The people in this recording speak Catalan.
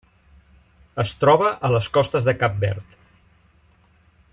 Es troba a les costes de Cap Verd.